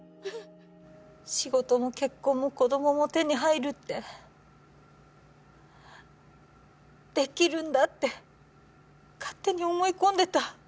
仕事も結婚も子供も手に入るってできるんだって、勝手に思い込んでた。